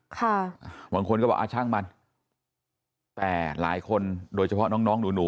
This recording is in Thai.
ค่ะอ่าบางคนก็บอกอ่าช่างมันแต่หลายคนโดยเฉพาะน้องน้องหนู